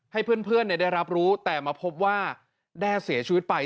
ให้เพื่อนได้รับรู้แต่มาพบว่าแด้เสียชีวิตไป